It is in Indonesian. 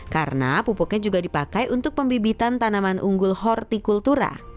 karena pupuknya juga dipakai untuk pembibitan tanaman unggul hortikultura